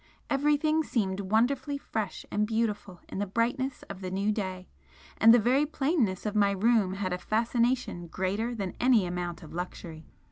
Everything seemed wonderfully fresh and beautiful in the brightness of the new day, and the very plainness of my room had a fascination greater than any amount of luxury.